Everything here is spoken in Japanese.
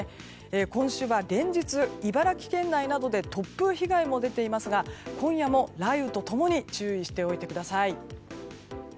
今週は連日、茨城県内などで突風被害も出ていますが今夜も雷雨と共に注意しておいてください。